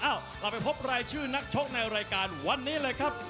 เราไปพบรายชื่อนักชกในรายการวันนี้เลยครับ